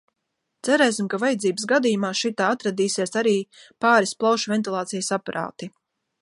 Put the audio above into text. Cerēsim, ka vajadzības gadījumā šitā atradīsies arī pāris plaušu ventilācijas aparāti.